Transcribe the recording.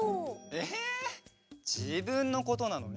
えじぶんのことなのに？